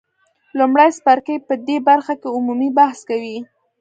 لومړی څپرکی په دې برخه کې عمومي بحث کوي.